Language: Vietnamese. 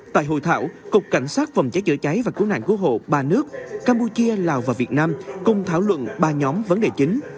tại hội thảo cục cảnh sát phòng cháy chữa cháy và cứu nạn cứu hộ ba nước campuchia lào và việt nam cùng thảo luận ba nhóm vấn đề chính